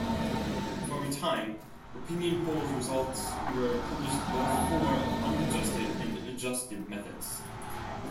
For a time, opinion poll results were published both for unadjusted and adjusted methods.